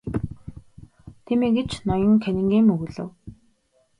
Тийм ээ гэж ноён Каннингем өгүүлэв.